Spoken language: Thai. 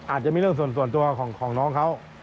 อาจจะมีเรื่องส่วนตัวของน้องเขา